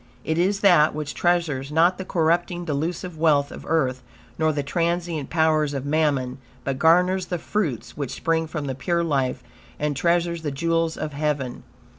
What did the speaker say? It is that, which treasures not the corrupting, delusive wealth of Earth, nor the transient powers of mammon, but garners the fruits which spring from the pure life, and treasures the jewels of heaven.